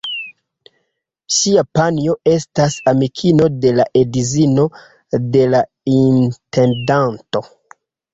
Ŝia panjo estas amikino de la edzino de la intendanto.